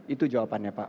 itu jawabannya pak